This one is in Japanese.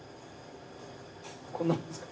こんなもんですか？